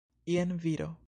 Jen viro!